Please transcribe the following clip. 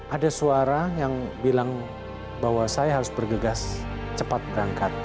ada suara yang bilang bahwa saya harus bergegas cepat berangkat